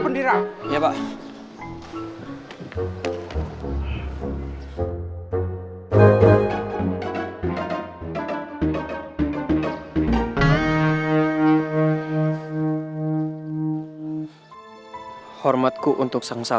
aduh susah lagi dibukanya